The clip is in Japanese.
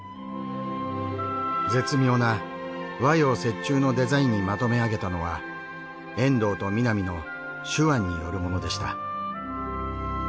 絶妙な和洋折衷のデザインにまとめ上げたのは遠藤と南の手腕によるものでした。